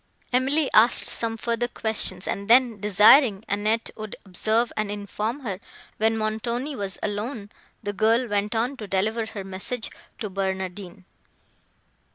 Emily asked some further questions, and then, desiring Annette would observe and inform her, when Montoni was alone, the girl went to deliver her message to Barnardine.